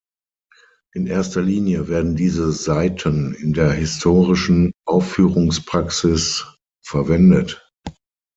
In erster Linie werden diese Saiten in der Historischen Aufführungspraxis verwendet.